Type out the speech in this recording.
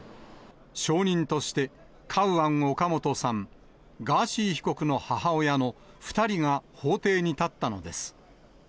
証人として、カウアン・オカモトさん、ガーシー被告の母親の２人が法廷に立ったのです。